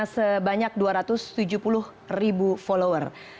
sebanyak dua ratus tujuh puluh ribu follower